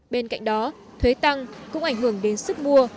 bên cạnh đó thuế tăng cũng ảnh hưởng đến sức mua